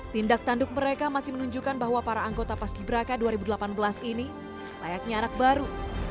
tindak tanduk mereka masih menunjukkan bahwa para anggota paski braka dua ribu delapan belas ini layaknya anak baru